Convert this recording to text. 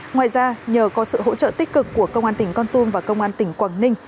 ngoài ra nhờ có sự hỗ trợ tích cực của công an tỉnh con tum và công an tỉnh quảng ninh